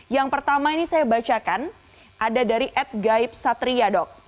yang pertama ini saya bacakan ada dari ed gaib satria dok